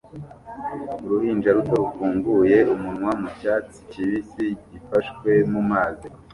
Uruhinja ruto rufunguye umunwa mucyatsi kibisi gifashwe mumazi